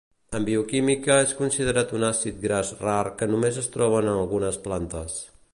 En bioquímica és considerat un àcid gras rar que només es troba en algunes plantes.